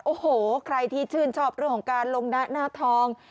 โอ้โหใครที่ชื่นชอบเรื่องของการลงหน้าหน้าทอง